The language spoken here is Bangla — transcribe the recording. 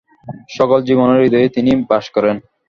সকল জীবের হৃদয়ে তিনি বাস করেন।